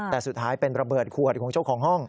แต่สุดท้ายเป็นระเบิดขวดของเจ้าของห้อง